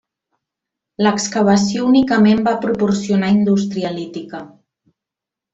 L'excavació únicament va proporcionar indústria lítica.